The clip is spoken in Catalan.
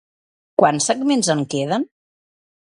Quants segments en queden?